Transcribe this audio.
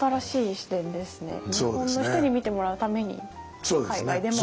日本の人に見てもらうために海外でも。